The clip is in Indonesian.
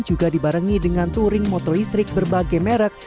juga dibarengi dengan touring motor listrik berbagai merek